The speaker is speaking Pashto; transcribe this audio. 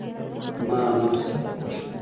زما انار سخت خوښ دي